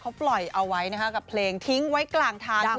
เขาปล่อยเอาไว้นะคะกับเพลงทิ้งไว้กลางทาง